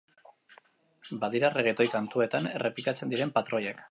Badira regetoi kantuetan errepikatzen diren patroiak.